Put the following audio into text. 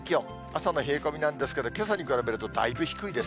朝の冷え込みなんですけど、けさに比べるとだいぶ低いです。